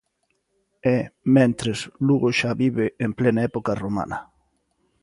E, mentres, Lugo xa vive en plena época romana.